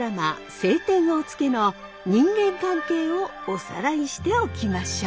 「青天を衝け」の人間関係をおさらいしておきましょう。